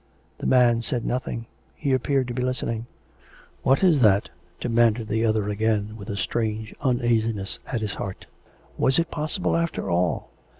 " The man said nothing; he appeared to be listening. "What is that?" demanded the other again, with a strange uneasiness at his heart. Was it possible, after all